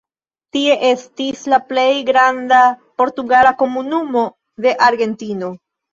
Tie estis la plej granda portugala komunumo de Argentino.